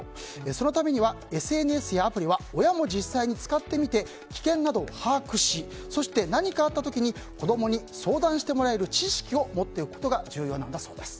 そのためにはＳＮＳやアプリは親も実際に使ってみて危険などを把握しそして何かあった時に子供に相談してもらえる知識を持っておくことが重要なんだそうです。